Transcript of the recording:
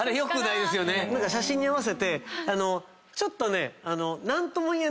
写真に合わせてちょっとね。